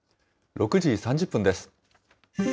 ６時３０分です。